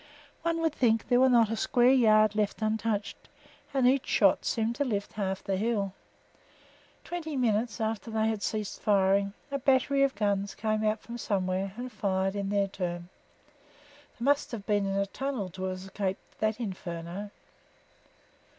One would think there was not a square yard left untouched, and each shot seemed to lift half the hill. Twenty minutes after they had ceased firing, a battery of guns came out from somewhere and fired in their turn. They must have been in a tunnel to have escaped that inferno.